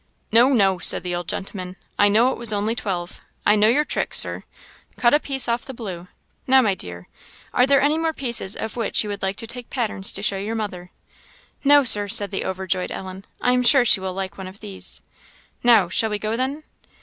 "No, no," said the old gentleman, "I know it was only twelve I know your tricks, Sir. Cut a piece off the blue. Now, my dear, are there any more pieces of which you would like to take patterns, to show your mother?" "No, Sir," said the overjoyed Ellen; "I am sure she will like one of these." "Now, shall we go, then?"